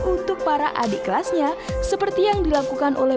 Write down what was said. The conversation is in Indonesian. untuk para adik kelasnya seperti yang dilakukan oleh